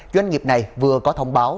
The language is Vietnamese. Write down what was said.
doanh nghiệp này vừa có thông báo